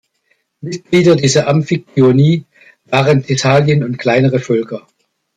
Mitglieder dieser Amphiktyonie waren Thessalien und kleinere Völker.